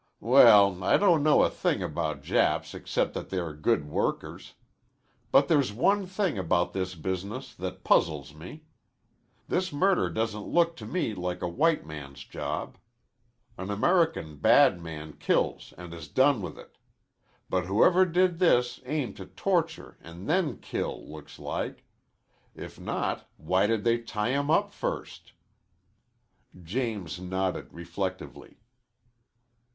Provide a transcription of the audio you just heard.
"Well, I don't know a thing about Japs except that they're good workers. But there's one thing about this business that puzzles me. This murder doesn't look to me like a white man's job. An American bad man kills an' is done with it. But whoever did this aimed to torture an' then kill, looks like. If not, why did they tie him up first?" James nodded, reflectively.